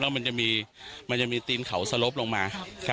แล้วมันจะมีมันจะมีตีนเขาสลบลงมา